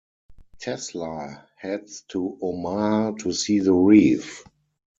Tesla heads to Omaha to see the Reef.